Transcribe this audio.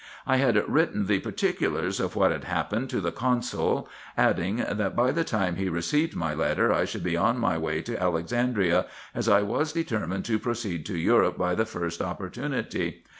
I had written the particulars of what had happened, to the consul, adding, that by the time he received my letter I should be on my way to Alexandria, as I was determined to proceed to Europe by the first opportunity.